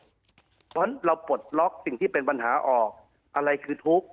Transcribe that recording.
เพราะฉะนั้นเราปลดล็อกสิ่งที่เป็นปัญหาออกอะไรคือทุกข์